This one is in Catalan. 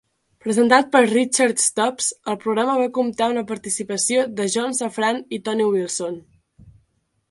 Presentat per Richard Stubbs, el programa va comptar amb la participació de John Safran i Tony Wilson.